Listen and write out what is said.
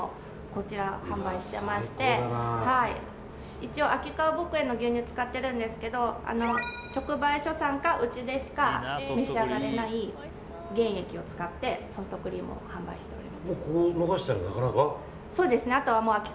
一応、秋川牧園の牛乳を使ってるんですけど直売所さんかうちでしか召し上がれない原液を使ってソフトクリームを販売しております。